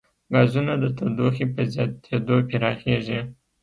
ګازونه د تودوخې په زیاتېدو پراخېږي.